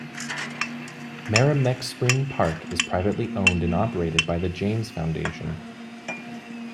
Maramec Spring Park is privately owned and operated by The James Foundation.